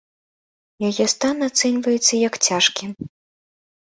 Яе стан ацэньваецца як цяжкі.